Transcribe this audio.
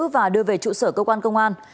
và đưa về trụ sở cơ quan công an